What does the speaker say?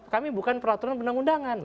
kami bukan peraturan undang undangan